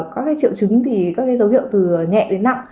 các triệu chứng thì các dấu hiệu từ nhẹ đến nặng